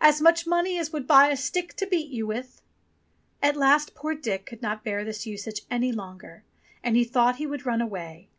"As much money as would buy a stick to beat you with ?" At last poor Dick could not bear this usage any longer, and he thought he would run away.